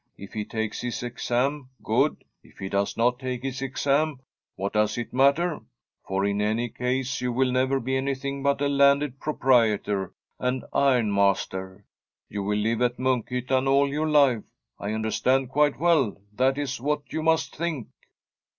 If he takes his exam., good; if he does not take his exam., what does it matter ? for in any case you will never be anything but a landed proprietor and iron master. You will live at Munkhyttan all your life. I understand quite well that is what you must think.'